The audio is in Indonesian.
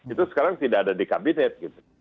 itu sekarang tidak ada di kabinet